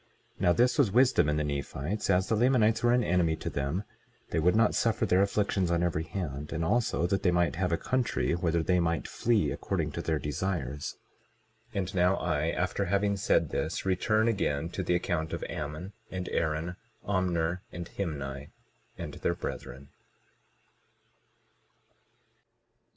Now this was wisdom in the Nephites—as the Lamanites were an enemy to them, they would not suffer their afflictions on every hand, and also that they might have a country whither they might flee, according to their desires. 22:35 And now I, after having said this, return again to the account of Ammon and Aaron, Omner and Himni, and their brethren.